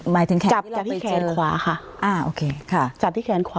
หมายถึงแขนที่เราไปเจอจับจากที่แขนขวาค่ะอ่าโอเคค่ะจับที่แขนขวา